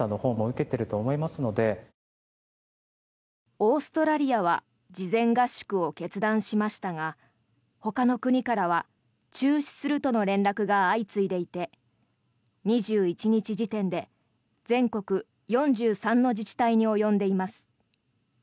オーストラリアは事前合宿を決断しましたがほかの国からは中止するとの連絡が相次いでいて２１日時点で、全国４３の自治体に及んでいます。